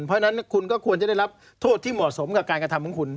เพราะฉะนั้นคุณก็ควรจะได้รับโทษที่เหมาะสมกับการกระทำของคุณ